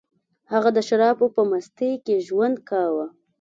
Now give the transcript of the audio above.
هغه د شرابو په مستۍ کې ژوند کاوه